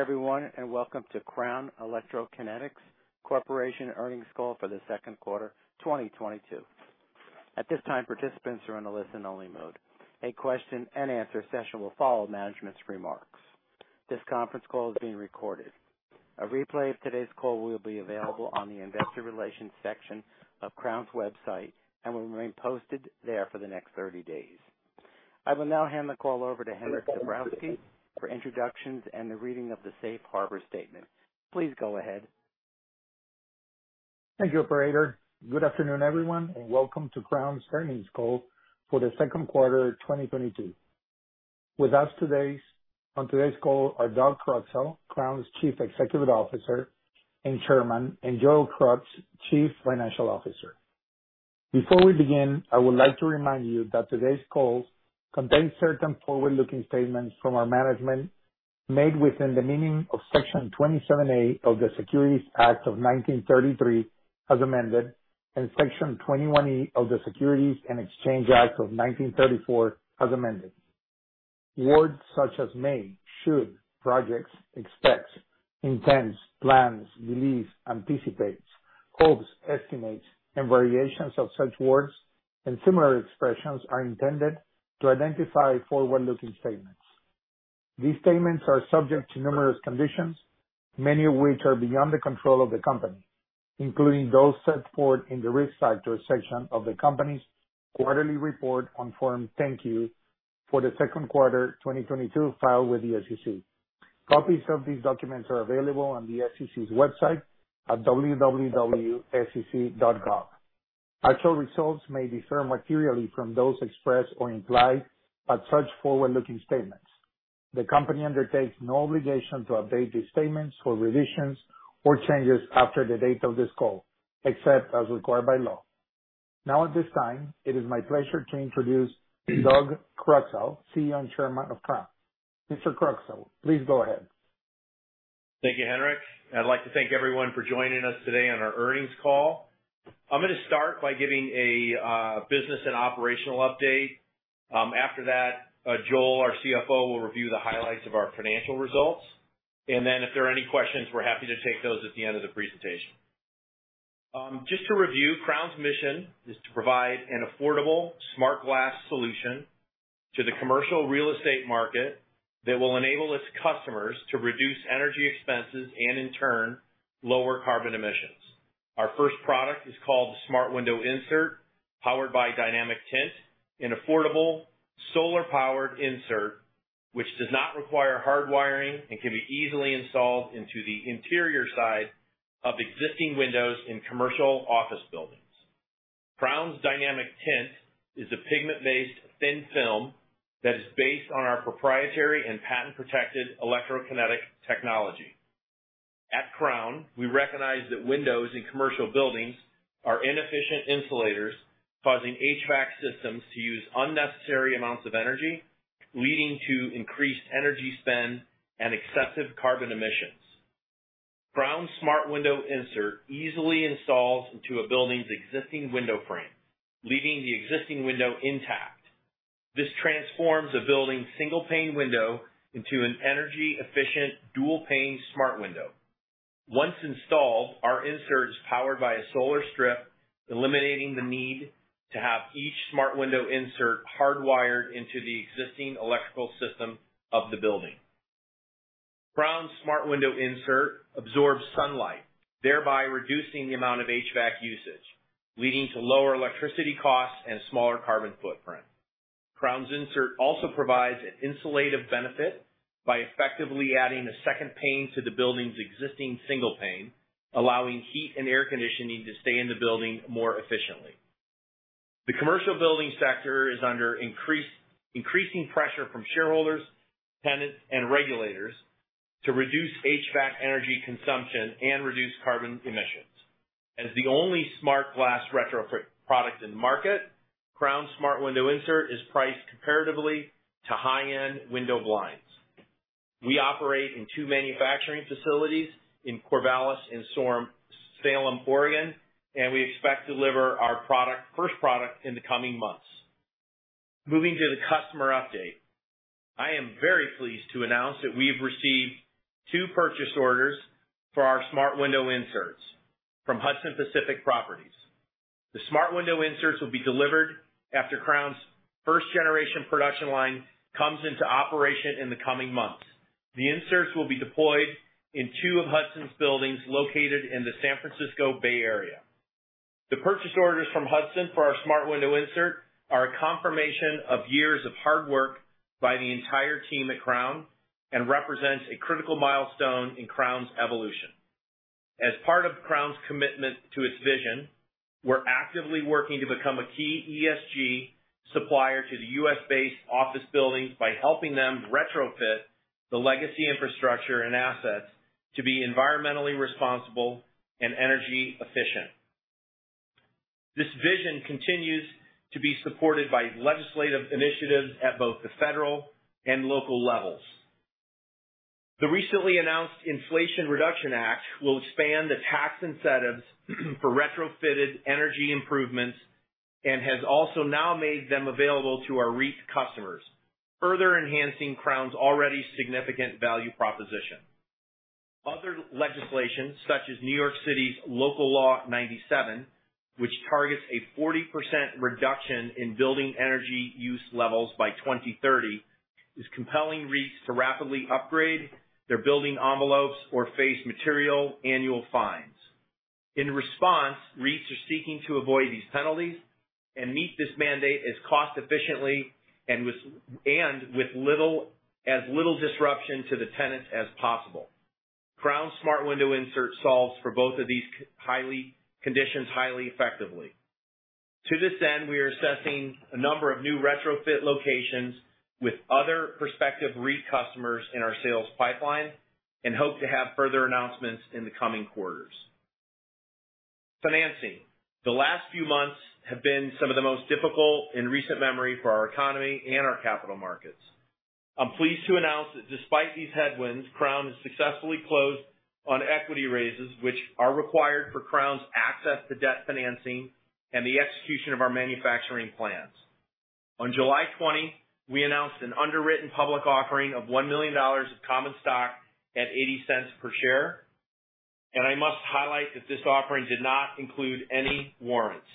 Everyone, welcome to Crown Electrokinetics Corporation earnings call for the second quarter 2022. At this time, participants are in a listen-only mode. A question-and-answer session will follow management's remarks. This conference call is being recorded. A replay of today's call will be available on the investor relations section of Crown's website and will remain posted there for the next 30 days. I will now hand the call over to Henryk Dabrowski for introductions and the reading of the safe harbor statement. Please go ahead. Thank you, operator. Good afternoon, everyone, and welcome to Crown's earnings call for the second quarter of 2022. With us today, on today's call are Doug Croxall, Crown's Chief Executive Officer and Chairman, and Joel Krutz, Chief Financial Officer. Before we begin, I would like to remind you that today's call contains certain forward-looking statements from our management made within the meaning of Section 27A of the Securities Act of 1933, as amended, and Section 21E of the Securities and Exchange Act of 1934, as amended. Words such as may, should, projects, expects, intends, plans, believes, anticipates, hopes, estimates, and variations of such words and similar expressions are intended to identify forward-looking statements. These statements are subject to numerous conditions, many of which are beyond the control of the company, including those set forth in the Risk Factors section of the company's quarterly report on Form 10-Q for the second quarter 2022 filed with the SEC. Copies of these documents are available on the SEC's website at www.sec.gov. Actual results may differ materially from those expressed or implied by such forward-looking statements. The company undertakes no obligation to update these statements for revisions or changes after the date of this call, except as required by law. Now, at this time, it is my pleasure to introduce Doug Croxall, CEO and Chairman of Crown. Mr. Croxall, please go ahead. Thank you, Henryk. I'd like to thank everyone for joining us today on our earnings call. I'm gonna start by giving a business and operational update. After that, Joel, our CFO, will review the highlights of our financial results. Then if there are any questions, we're happy to take those at the end of the presentation. Just to review, Crown's mission is to provide an affordable smart glass solution to the commercial real estate market that will enable its customers to reduce energy expenses and in turn, lower carbon emissions. Our first product is called the Smart Window Insert, powered by DynamicTint, an affordable solar-powered insert which does not require hard wiring and can be easily installed into the interior side of existing windows in commercial office buildings. Crown's DynamicTint is a pigment-based thin film that is based on our proprietary and patent-protected electrokinetic technology. At Crown, we recognize that windows in commercial buildings are inefficient insulators, causing HVAC systems to use unnecessary amounts of energy, leading to increased energy spend and excessive carbon emissions. Crown's Smart Window Insert easily installs into a building's existing window frame, leaving the existing window intact. This transforms a building's single-pane window into an energy-efficient, dual-pane smart window. Once installed, our insert is powered by a solar strip, eliminating the need to have each smart window insert hardwired into the existing electrical system of the building. Crown's Smart Window Insert absorbs sunlight, thereby reducing the amount of HVAC usage, leading to lower electricity costs and a smaller carbon footprint. Crown's insert also provides an insulative benefit by effectively adding a second pane to the building's existing single pane, allowing heat and air conditioning to stay in the building more efficiently. The commercial building sector is under increasing pressure from shareholders, tenants, and regulators to reduce HVAC energy consumption and reduce carbon emissions. As the only smart glass retrofit product in the market, Crown's Smart Window Insert is priced comparatively to high-end window blinds. We operate in two manufacturing facilities in Corvallis and Salem, Oregon, and we expect to deliver our product, first product, in the coming months. Moving to the customer update. I am very pleased to announce that we have received two purchase orders for our Smart Window Inserts from Hudson Pacific Properties. The Smart Window Inserts will be delivered after Crown's first-generation production line comes into operation in the coming months. The inserts will be deployed in two of Hudson Pacific Properties' buildings located in the San Francisco Bay Area. The purchase orders from Hudson Pacific Properties for our Smart Window Insert are a confirmation of years of hard work by the entire team at Crown and represents a critical milestone in Crown's evolution. As part of Crown's commitment to its vision, we're actively working to become a key ESG supplier to the U.S.-based office buildings by helping them retrofit the legacy infrastructure and assets to be environmentally responsible and energy efficient. This vision continues to be supported by legislative initiatives at both the federal and local levels. The recently announced Inflation Reduction Act will expand the tax incentives for retrofitted energy improvements and has also now made them available to our REIT customers, further enhancing Crown's already significant value proposition. Other legislation, such as New York City's Local Law 97, which targets a 40% reduction in building energy use levels by 2030, is compelling REITs to rapidly upgrade their building envelopes or face material annual fines. In response, REITs are seeking to avoid these penalties and meet this mandate as cost-effectively and with as little disruption to the tenants as possible. Crown's Smart Window Insert solves for both of these conditions highly effectively. To this end, we are assessing a number of new retrofit locations with other prospective REIT customers in our sales pipeline and hope to have further announcements in the coming quarters. Financing. The last few months have been some of the most difficult in recent memory for our economy and our capital markets. I'm pleased to announce that despite these headwinds, Crown has successfully closed on equity raises, which are required for Crown's access to debt financing and the execution of our manufacturing plans. On July 20, we announced an underwritten public offering of $1 million of common stock at $0.80 per share, and I must highlight that this offering did not include any warrants.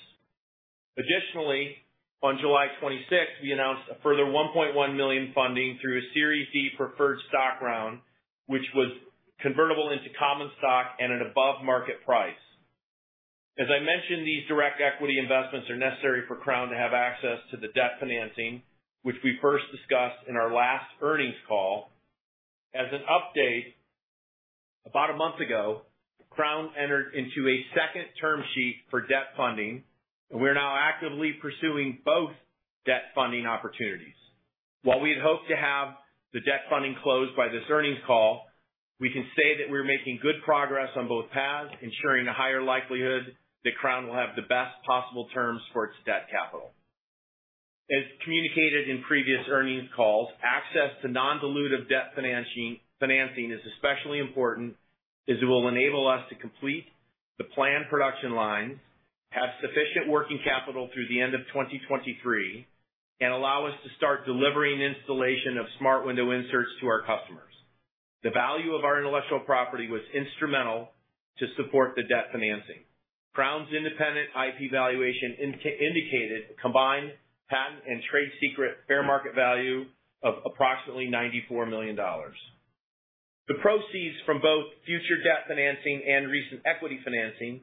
Additionally, on July 26, we announced a further $1.1 million funding through a Series D preferred stock round, which was convertible into common stock at an above-market price. As I mentioned, these direct equity investments are necessary for Crown to have access to the debt financing, which we first discussed in our last earnings call. As an update, about a month ago, Crown entered into a second term sheet for debt funding, and we're now actively pursuing both debt funding opportunities. While we had hoped to have the debt funding closed by this earnings call, we can say that we're making good progress on both paths, ensuring a higher likelihood that Crown will have the best possible terms for its debt capital. As communicated in previous earnings calls, access to non-dilutive debt financing is especially important as it will enable us to complete the planned production lines, have sufficient working capital through the end of 2023, and allow us to start delivering installation of Smart Window Inserts to our customers. The value of our intellectual property was instrumental to support the debt financing. Crown's independent IP valuation indicated a combined patent and trade secret fair market value of approximately $94 million. The proceeds from both future debt financing and recent equity financing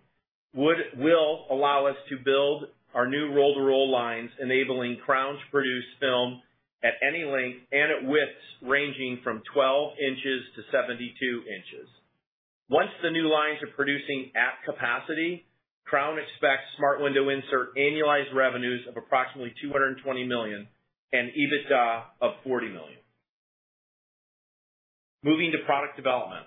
will allow us to build our new roll-to-roll lines, enabling Crown's produced film at any length and at widths ranging from 12 inches-72 inches. Once the new lines are producing at capacity, Crown expects Smart Window Insert annualized revenues of approximately $220 million and EBITDA of $40 million. Moving to product development.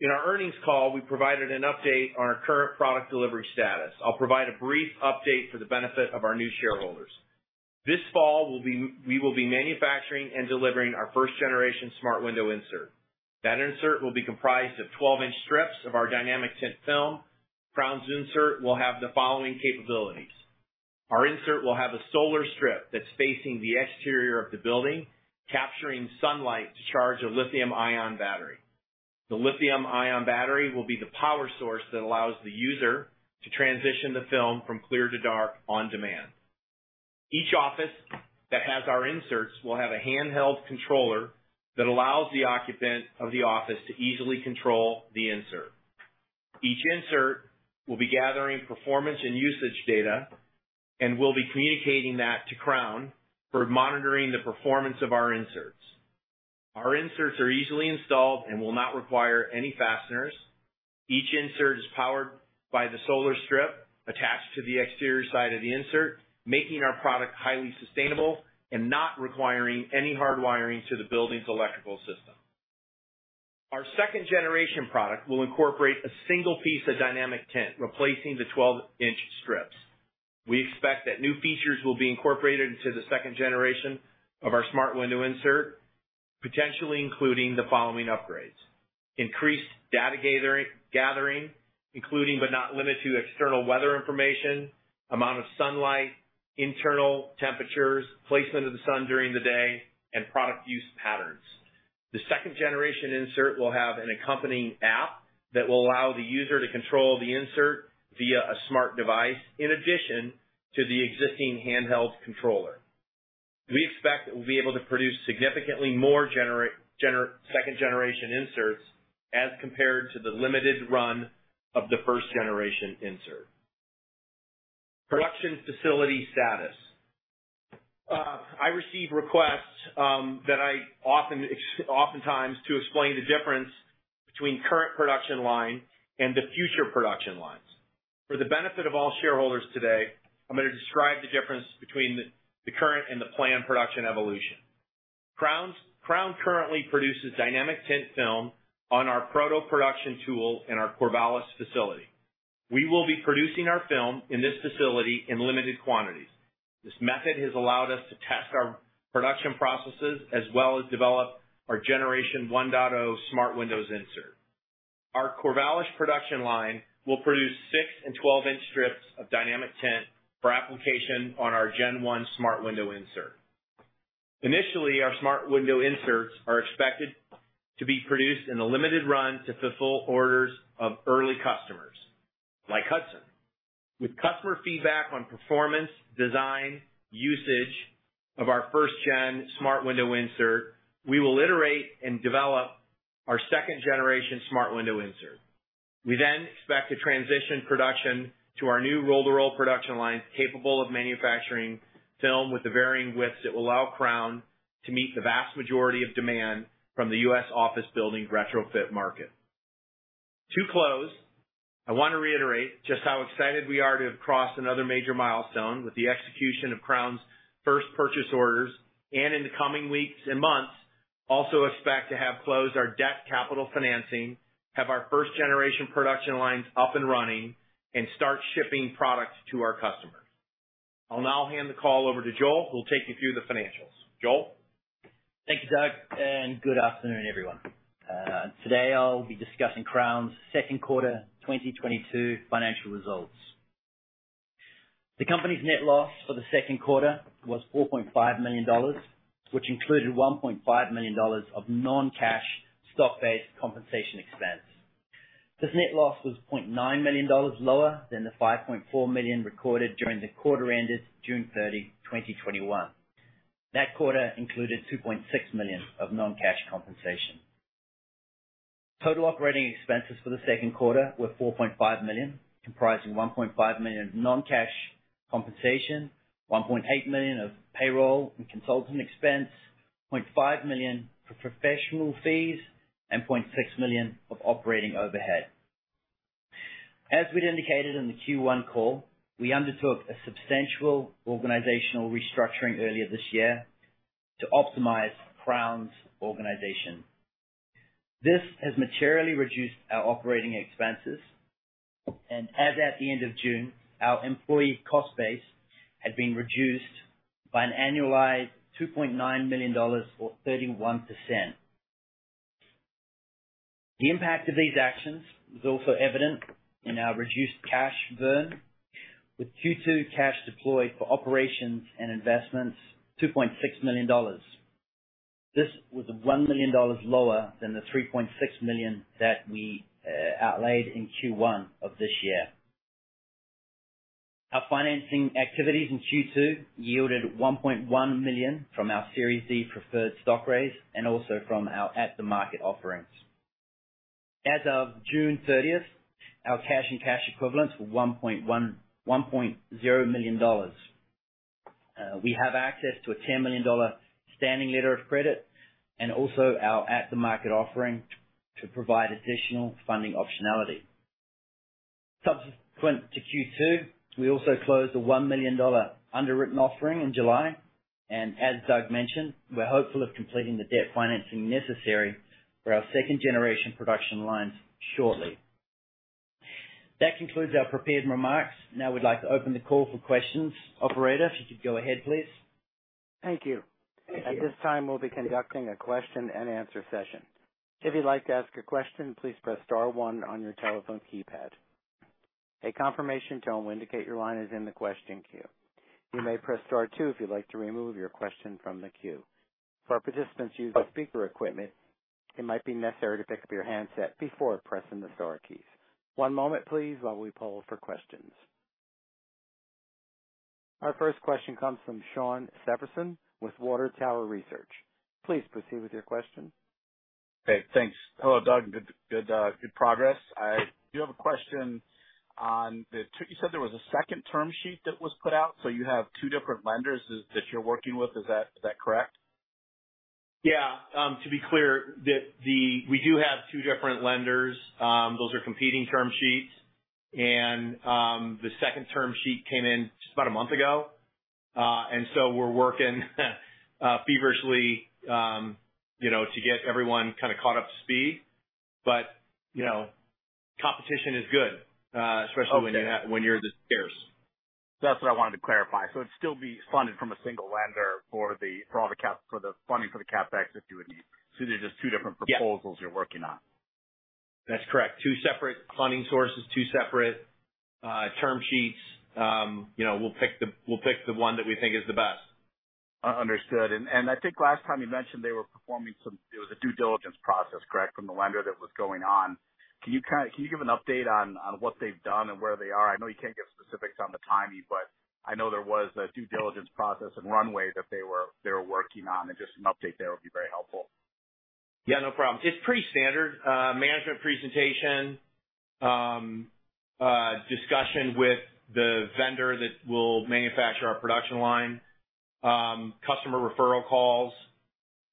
In our earnings call, we provided an update on our current product delivery status. I'll provide a brief update for the benefit of our new shareholders. This fall we will be manufacturing and delivering our first generation Smart Window Insert. That insert will be comprised of 12-inch strips of our DynamicTint film. Crown's insert will have the following capabilities. Our insert will have a solar strip that's facing the exterior of the building, capturing sunlight to charge a lithium-ion battery. The lithium ion battery will be the power source that allows the user to transition the film from clear to dark on demand. Each office that has our inserts will have a handheld controller that allows the occupant of the office to easily control the insert. Each insert will be gathering performance and usage data, and we'll be communicating that to Crown for monitoring the performance of our inserts. Our inserts are easily installed and will not require any fasteners. Each insert is powered by the solar strip attached to the exterior side of the insert, making our product highly sustainable and not requiring any hard wiring to the building's electrical system. Our second generation product will incorporate a single piece of DynamicTint, replacing the 12-inch strips. We expect that new features will be incorporated into the second generation of our Smart Window Insert, potentially including the following upgrades. Increased data gathering, including but not limited to external weather information, amount of sunlight, internal temperatures, placement of the sun during the day, and product use patterns. The second generation insert will have an accompanying app that will allow the user to control the insert via a smart device in addition to the existing handheld controller. We expect that we'll be able to produce significantly more second generation inserts as compared to the limited run of the first generation insert. Production facility status. I receive requests that I oftentimes explain the difference between current production line and the future production lines. For the benefit of all shareholders today, I'm gonna describe the difference between the current and the planned production evolution. Crown currently produces DynamicTint film on our proto-production tool in our Corvallis facility. We will be producing our film in this facility in limited quantities. This method has allowed us to test our production processes as well as develop our Generation 1.0 Smart Window Insert. Our Corvallis production line will produce 6-inch and 12-inch strips of DynamicTint for application on our Gen 1 Smart Window Insert. Initially, our Smart Window Inserts are expected to be produced in a limited run to fulfill orders of early customers like Hudson. With customer feedback on performance, design, usage of our first-gen Smart Window Insert, we will iterate and develop our second-generation Smart Window Insert. We expect to transition production to our new roll-to-roll production lines, capable of manufacturing film with the varying widths that will allow Crown to meet the vast majority of demand from the U.S. office building retrofit market. To close, I wanna reiterate just how excited we are to have crossed another major milestone with the execution of Crown's first purchase orders, and in the coming weeks and months, also expect to have closed our debt capital financing, have our first generation production lines up and running, and start shipping products to our customers. I'll now hand the call over to Joel, who will take you through the financials. Joel? Thank you, Doug, and good afternoon, everyone. Today I'll be discussing Crown's second quarter 2022 financial results. The company's net loss for the second quarter was $4.5 million, which included $1.5 million of non-cash stock-based compensation expense. This net loss was $0.9 million lower than the $5.4 million recorded during the quarter ended June 30, 2021. That quarter included $2.6 million of non-cash compensation. Total operating expenses for the second quarter were $4.5 million, comprising $1.5 million of non-cash compensation, $1.8 million of payroll and consultant expense, $0.5 million for professional fees, and $0.6 million of operating overhead. As we'd indicated on the Q1 call, we undertook a substantial organizational restructuring earlier this year to optimize Crown's organization. This has materially reduced our operating expenses, and as at the end of June, our employee cost base had been reduced by an annualized $2.9 million or 31%. The impact of these actions is also evident in our reduced cash burn, with Q2 cash deployed for operations and investments, $2.6 million. This was $1 million lower than the $3.6 million that we outlaid in Q1 of this year. Our financing activities in Q2 yielded $1.1 million from our Series D preferred stock raise and also from our at the market offerings. As of June 30th, our cash and cash equivalents were $1.0 million. We have access to a $10 million standing letter of credit and also our at the market offering to provide additional funding optionality. Subsequent to Q2, we also closed a $1 million underwritten offering in July, and as Doug mentioned, we're hopeful of completing the debt financing necessary for our second generation production lines shortly. That concludes our prepared remarks. Now we'd like to open the call for questions. Operator, if you could go ahead, please. Thank you. At this time, we'll be conducting a question and answer session. If you'd like to ask a question, please press star one on your telephone keypad. A confirmation tone will indicate your line is in the question queue. You may press star two if you'd like to remove your question from the queue. For participants using speaker equipment, it might be necessary to pick up your handset before pressing the star keys. One moment please while we poll for questions. Our first question comes from Shawn Severson with Water Tower Research. Please proceed with your question. Hey, thanks. Hello, Doug, good progress. I do have a question. You said there was a second term sheet that was put out, so you have two different lenders that you're working with. Is that correct? Yeah. To be clear, we do have two different lenders. Those are competing term sheets. The second term sheet came in just about a month ago. We're working feverishly, you know, to get everyone kinda caught up to speed. You know, competition is good, especially. Okay. When you're this scarce. That's what I wanted to clarify. It'd still be funded from a single lender for all the funding for the CapEx, if you would need. They're just two different- Yeah. Proposals you're working on. That's correct. Two separate funding sources, two separate term sheets. You know, we'll pick the one that we think is the best. Understood. I think last time you mentioned they were performing some. It was a due diligence process, correct, from the lender that was going on. Can you give an update on what they've done and where they are? I know you can't give specifics on the timing, but I know there was a due diligence process and runway that they were working on, and just an update there would be very helpful. Yeah, no problem. It's pretty standard. Management presentation, discussion with the vendor that will manufacture our production line, customer referral calls,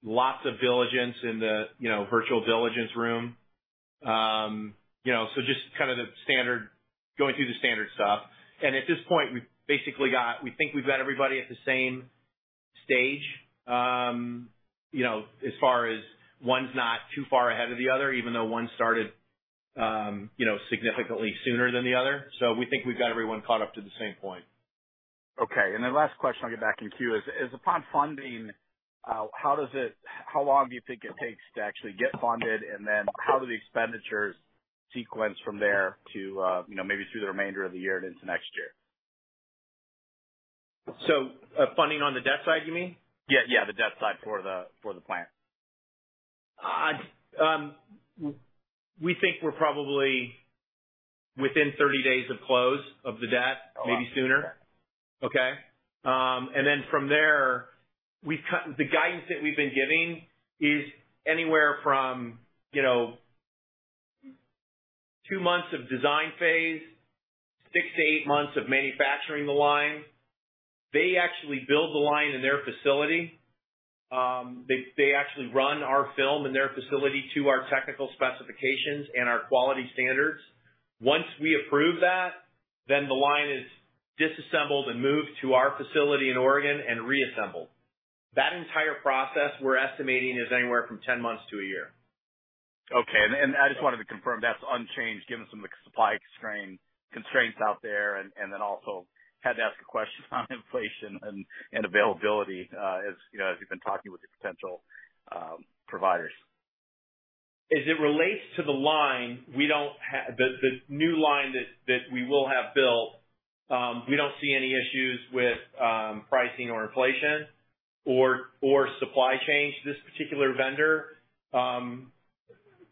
lots of diligence in the, you know, virtual diligence room. You know, just kind of the standard stuff. At this point, we think we've got everybody at the same stage. You know, as far as one's not too far ahead of the other, even though one started, you know, significantly sooner than the other. We think we've got everyone caught up to the same point. Okay. Then last question, I'll get back in queue. Upon funding, how long do you think it takes to actually get funded? How do the expenditures sequence from there to, you know, maybe through the remainder of the year and into next year? Funding on the debt side, you mean? Yeah, the debt side for the plant. We think we're probably within 30 days of close of the debt, maybe sooner. Okay. The guidance that we've been giving is anywhere from, you know, two months of design phase, 6-8 months of manufacturing the line. They actually build the line in their facility. They actually run our film in their facility to our technical specifications and our quality standards. Once we approve that, the line is disassembled and moved to our facility in Oregon and reassembled. That entire process, we're estimating is anywhere from 10 months to a year. Okay. I just wanted to confirm that's unchanged given some of the supply constraints out there. Then also had to ask a question on inflation and availability, as you know, as you've been talking with the potential providers. As it relates to the line, the new line that we will have built, we don't see any issues with pricing or inflation or supply chains. This particular vendor,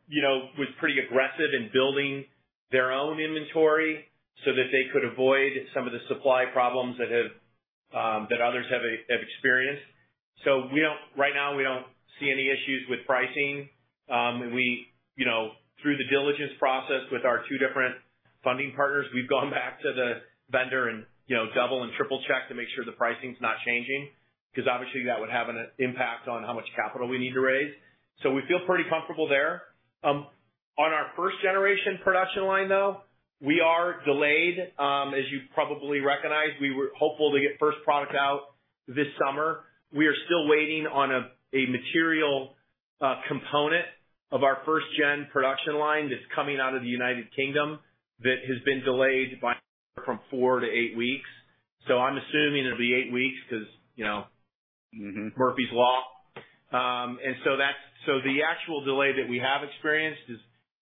you know, was pretty aggressive in building their own inventory so that they could avoid some of the supply problems that others have experienced. Right now, we don't see any issues with pricing. You know, through the diligence process with our two different funding partners, we've gone back to the vendor and, you know, double and triple-checked to make sure the pricing's not changing, because obviously that would have an impact on how much capital we need to raise. We feel pretty comfortable there. On our first generation production line, though, we are delayed. As you probably recognize, we were hopeful to get first product out this summer. We are still waiting on a material component of our first gen production line that's coming out of the United Kingdom that has been delayed by from 4-8 weeks. I'm assuming it'll be eight weeks because, you know- Mm-hmm. Murphy's Law. The actual delay that we have experienced is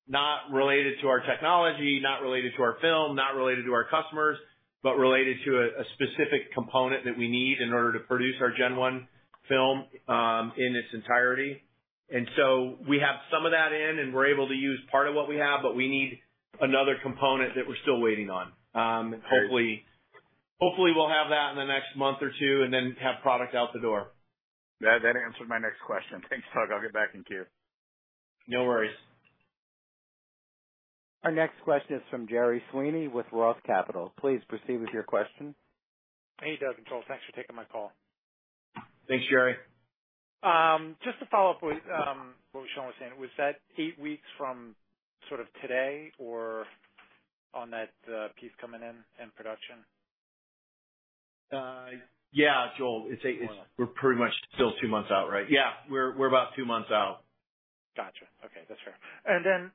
not related to our technology, not related to our film, not related to our customers, but related to a specific component that we need in order to produce our gen one film in its entirety. We have some of that in, and we're able to use part of what we have, but we need another component that we're still waiting on. Hopefully we'll have that in the next month or two and then have product out the door. That answered my next question. Thanks, Doug. I'll get back in queue. No worries. Our next question is from Gerry Sweeney with Roth Capital Partners. Please proceed with your question. Hey, Doug and Joel. Thanks for taking my call. Thanks, Gerry. Just to follow up with what Shawn was saying. Was that eight weeks from sort of today or on that piece coming in production? Yeah, Joel. It's We're pretty much still two months out, right? Yeah, we're about two months out. Gotcha. Okay, that's fair.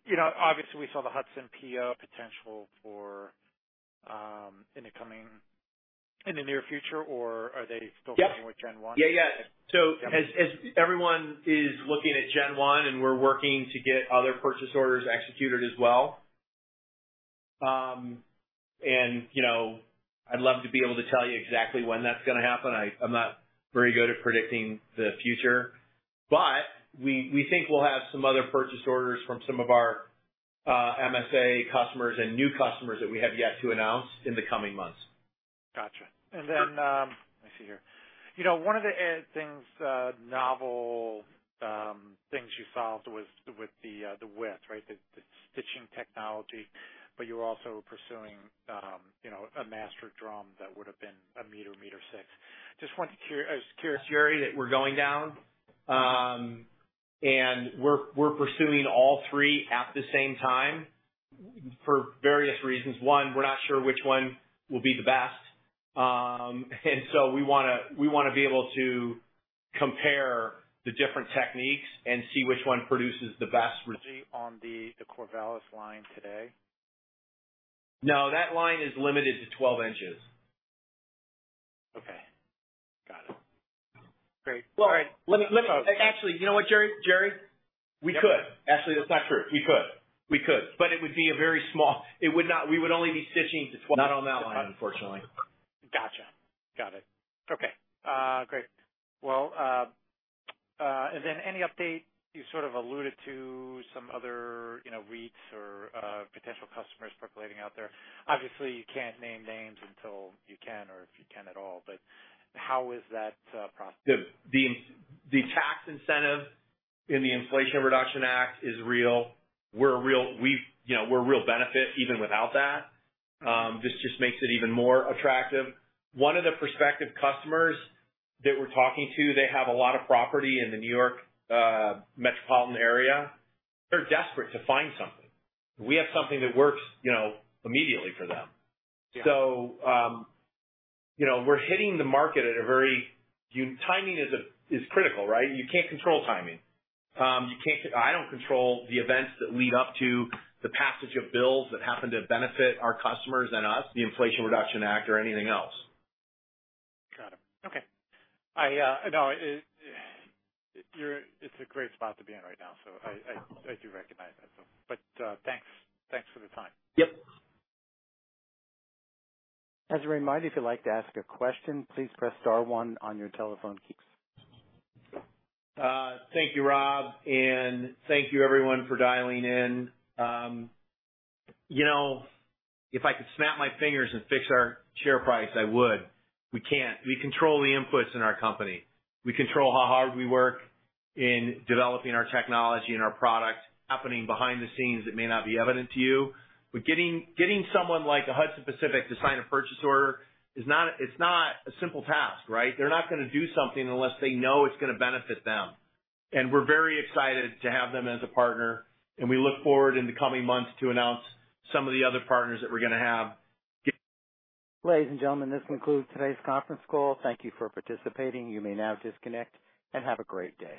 You know, obviously we saw the Hudson PO potential for in the near future? Or are they still- Yep. Working with Gen 1? Yeah, yeah. As everyone is looking at gen one and we're working to get other purchase orders executed as well. You know, I'd love to be able to tell you exactly when that's gonna happen. I'm not very good at predicting the future. We think we'll have some other purchase orders from some of our MSA customers and new customers that we have yet to announce in the coming months. Gotcha. Then, let me see here. You know, one of the novel things you solved was with the width, right? The stitching technology. You're also pursuing, you know, a master drum that would have been a meter thick. I was curious.. Gerry, we're going down, and we're pursuing all three at the same time for various reasons. One, we're not sure which one will be the best. We wanna be able to compare the different techniques and see which one produces the best. On the Corvallis line today? No, that line is limited to 12 inches. Okay. Got it. Great. All right. Well, actually, you know what, Gerry? We could. Actually, that's not true. We could. It would be a very small. We would only be stitching to 12 inches. Not on that line, unfortunately. Gotcha. Got it. Okay. Great. Well, then any update, you sort of alluded to some other, you know, REITs or potential customers percolating out there. Obviously, you can't name names until you can or if you can at all, but how is that process? The tax incentive in the Inflation Reduction Act is real. We're a real benefit even without that. You know, this just makes it even more attractive. One of the prospective customers that we're talking to, they have a lot of property in the New York metropolitan area. They're desperate to find something. We have something that works, you know, immediately for them. Yeah. You know, we're hitting the market at a very timing is critical, right? You can't control timing. I don't control the events that lead up to the passage of bills that happen to benefit our customers and us, the Inflation Reduction Act or anything else. Got it. Okay. It's a great spot to be in right now, so I do recognize that. Thanks. Thanks for the time. Yep. As a reminder, if you'd like to ask a question, please press star one on your telephone keys. Thank you, Rob, and thank you everyone for dialing in. You know, if I could snap my fingers and fix our share price, I would. We can't. We control the inputs in our company. We control how hard we work in developing our technology and our product, happening behind the scenes that may not be evident to you. Getting someone like a Hudson Pacific Properties to sign a purchase order is not a simple task, right? They're not gonna do something unless they know it's gonna benefit them. We're very excited to have them as a partner, and we look forward in the coming months to announce some of the other partners that we're gonna have. Ladies and gentlemen, this concludes today's conference call. Thank you for participating. You may now disconnect and have a great day.